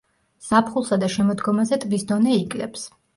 ზაფხულსა და შემოდგომაზე ტბის დონე იკლებს.